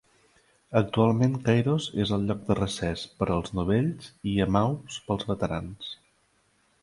Actualment Kairos és el lloc de recés per als novells i Emmaus pels veterans.